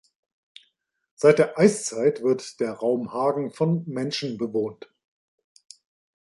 Seit der Eiszeit wird der Raum Hagen von Menschen bewohnt.